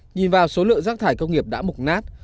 nhìn vào số lượng rác thải công nghiệp đã mục nát